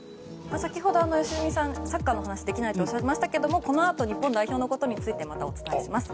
先ほど良純さんサッカーの話ができないとおっしゃいましたがこのあと日本代表のことについてもまたお伝えします。